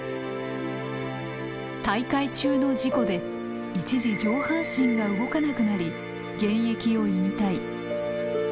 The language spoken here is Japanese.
大会中の事故で一時上半身が動かなくなり現役を引退。